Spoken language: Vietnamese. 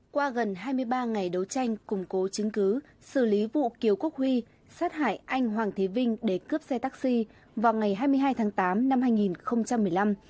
qua gần hai mươi ba ngày đấu tranh củng cố chứng cứ xử lý vụ kiều quốc huy sát hại anh hoàng thế vinh để cướp xe taxi vào ngày hai mươi hai tháng tám năm hai nghìn một mươi năm